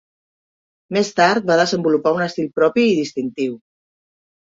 Més tard va desenvolupar un estil propi i distintiu.